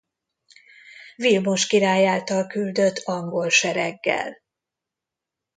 Vilmos király által küldött angol sereggel.